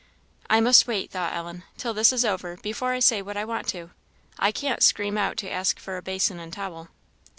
"I must wait," thought Ellen, "till this is over, before I say what I want to. I can't scream out to ask for a basin and towel."